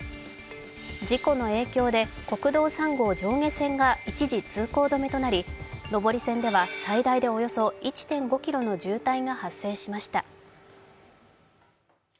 事故の影響で国道３号上下線が一時通行止めとなり、上り線では最大でおよそ１．５ｋｍの渋滞が発生しました。